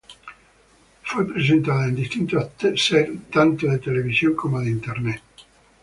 Fue presentada en distintos sets tanto de televisión como de internet.